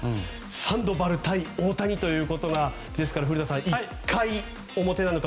サンドバル対大谷ということですから古田さん１回表なのか